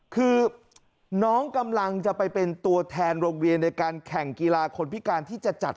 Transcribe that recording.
คือน้องกำลังจะไปเป็นตัวแทนโรงเรียนในการแข่งกีฬาคนพิการที่จะจัด